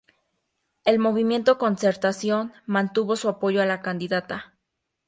El Movimiento Concertación mantuvo su apoyo a la candidata.